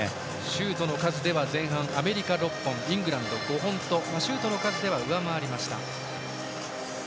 シュートの数では前半、アメリカ６本イングランドが５本とシュートの数では上回りました。